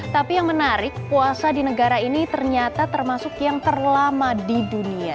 tapi yang menarik puasa di negara ini ternyata termasuk yang terlama di dunia